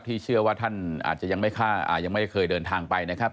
เชื่อว่าท่านอาจจะยังไม่เคยเดินทางไปนะครับ